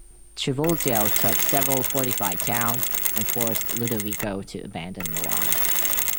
Trivulzio took several fortified towns, and forced Ludovico to abandon Milan.